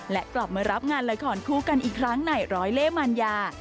และกลับมารับงานละครคู่กันอีกครั้งในร้อยเล่มัญญา